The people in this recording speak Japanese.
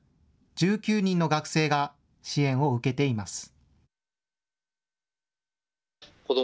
１９人の学生が支援を受けています。